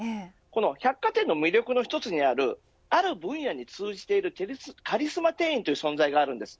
百貨店の魅力の一つであるある分野につうじているカリスマ店員という存在があります。